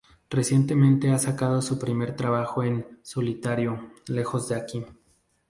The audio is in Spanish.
Recientemente ha sacado su primer trabajo en solitario, Lejos De Aquí.